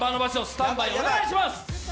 スタンバイお願いします